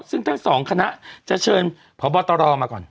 ซึ่งทั้งสองคณะจะเชิญพบตรมาก่อน